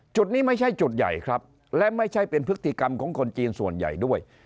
จุดนี้ไม่ใช่จุดใหญ่ครับและไม่ใช่เป็นพฤติกรรมของคนจีนส่วนใหญ่ด้วย